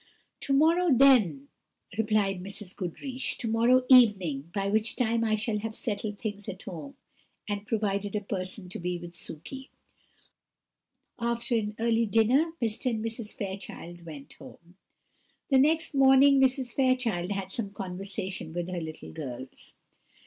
"To morrow, then," replied Mrs. Goodriche; "to morrow evening, by which time I shall have settled things at home, and provided a person to be with Sukey." After an early dinner, Mr. and Mrs. Fairchild went home. The next morning Mrs. Fairchild had some conversation with her little girls.